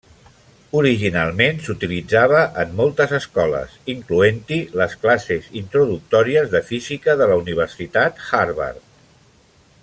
Originalment s'utilitzava en moltes escoles, incloent-hi les classes introductòries de Física de la Universitat Harvard.